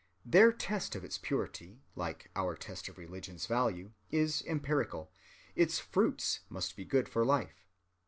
Their test of its purity, like our test of religion's value, is empirical: its fruits must be good for life.